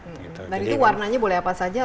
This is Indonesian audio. dan itu warnanya boleh apa saja